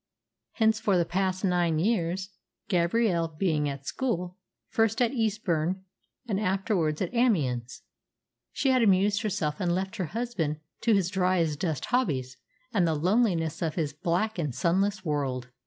Hence for the past nine years Gabrielle being at school, first at Eastbourne and afterwards at Amiens she had amused herself and left her husband to his dry as dust hobbies and the loneliness of his black and sunless world.